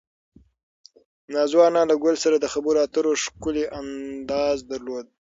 نازو انا له ګل سره د خبرو اترو ښکلی انداز درلود.